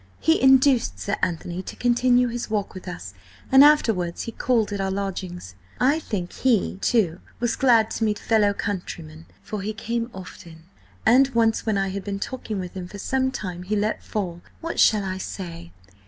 He induced Sir Anthony to continue his walk with us, and afterwards he called at our lodgings. I think he, too, was glad to meet a fellow countryman, for he came often, and once when I had been talking with him for some time he let fall–what shall I say?